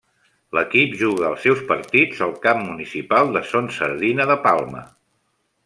L'equip juga els seus partits al Camp Municipal de Son Sardina de Palma.